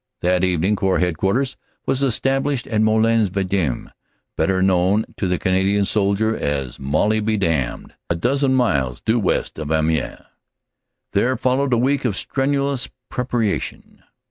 That evening Corps Headquarters was established at Molliens Vidame better known to the Cana dian soldier as "Molly be damned" a dozen miles due west of Amiens. There followed a week of strenuous preparation.